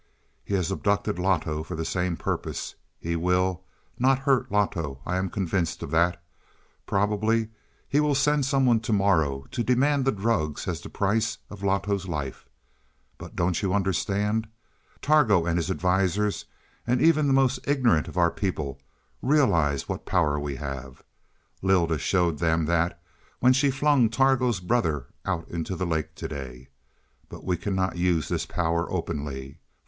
"He has abducted Loto for the same purpose. He will not hurt Loto I am convinced of that. Probably he will send someone to morrow to demand the drugs as the price of Loto's life. But don't you understand? Targo and his advisers, and even the most ignorant of the people, realize what power we have. Lylda showed them that when she flung Targo's brother out into the lake to day. But we cannot use this power openly.